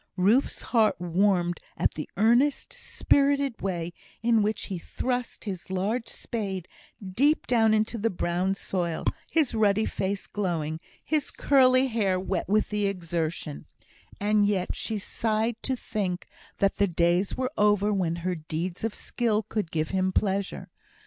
Ruth's heart warmed at the earnest, spirited way in which he thrust his large spade deep down into the brown soil, his ruddy face glowing, his curly hair wet with the exertion; and yet she sighed to think that the days were over when her deeds of skill could give him pleasure.